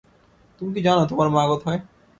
তুমি কি জানো তোমার মা কোথায়?